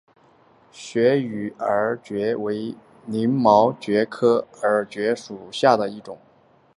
斜羽耳蕨为鳞毛蕨科耳蕨属下的一个种。